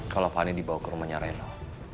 kalau fani dibawa ke rumahnya reno